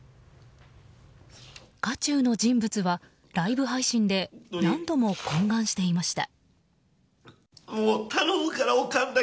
渦中の人物は、ライブ配信で何度も懇願していました。